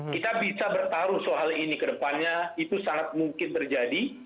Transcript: kita bisa bertaruh soal ini ke depannya itu sangat mungkin terjadi